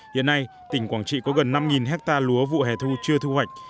hiện nay tỉnh quảng trị có gần năm hectare lúa vụ hè thu chưa thu hoạch